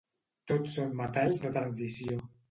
Tots són metalls de transició.